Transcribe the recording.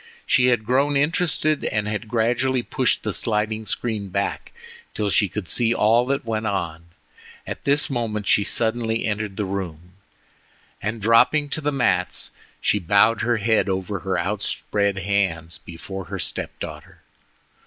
She had grown interested, and had gradually pushed the sliding screen back till she could see all that went on. At this moment she suddenly entered the room, and dropping to the mats, she bowed her head over her outspread hands before her step daughter.